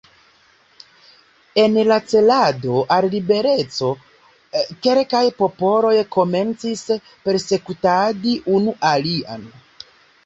En la celado al libereco kelkaj popoloj komencis persekutadi unu alian.